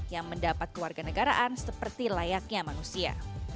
yang mendapat keluarga negaraan seperti layaknya manusia